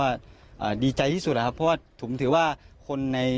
ว่าอ่าดีใจที่สุดอ่ะครับเพราะว่าถูกถือว่าคนใน